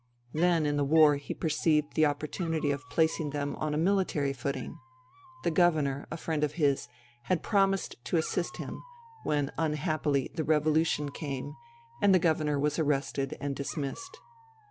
Then in the war he perceived the oppor tunity of placing them on a military footing. The governor, a friend of his, had promised to assist him, when unhappily the revolution came and the governor was arrested and dismissed.